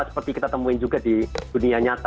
seperti kita temuin juga di dunia nyata